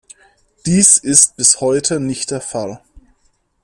Dies ist bis heute nicht der Fall.